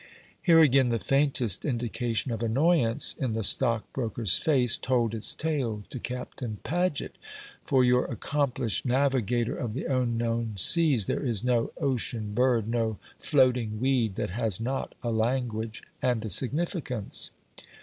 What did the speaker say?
Here again the faintest indication of annoyance in the stockbroker's face told its tale to Captain Paget. For your accomplished navigator of the unknown seas there is no ocean bird, no floating weed, that has not a language and a significance.